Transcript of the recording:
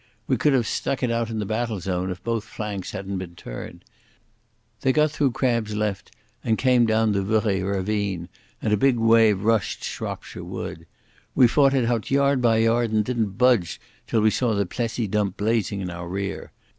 We could have stuck it out in the battle zone if both flanks hadn't been turned. They got through Crabbe's left and came down the Verey ravine, and a big wave rushed Shropshire Wood.... We fought it out yard by yard and didn't budge till we saw the Plessis dump blazing in our rear.